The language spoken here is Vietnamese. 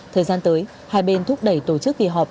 thời gian tới hai bên thúc đẩy tổ chức kỳ họp